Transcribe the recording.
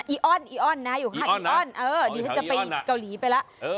อ้อนอีออนนะอยู่ข้างอีออนเออดิฉันจะไปเกาหลีไปแล้ว